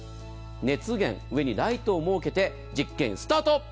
熱源、上にライトを設けて実験スタート。